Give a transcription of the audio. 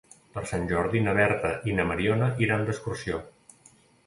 Per Sant Jordi na Berta i na Mariona iran d'excursió.